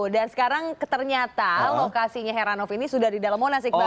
dan sekarang ternyata lokasinya heranov ini sudah di dalam monas iqbal